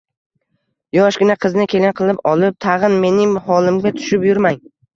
Yoshgina qizni kelin qilib olib, tag`in mening holimga tushib yurmang